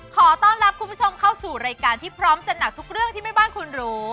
ขอต้อนรับคุณผู้ชมเข้าสู่รายการที่พร้อมจัดหนักทุกเรื่องที่แม่บ้านคุณรู้